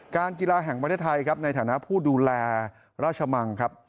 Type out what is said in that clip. กีฬาแห่งประเทศไทยครับในฐานะผู้ดูแลราชมังครับ